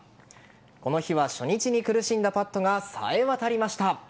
この日は初日に苦しんだパットがさえ渡りました。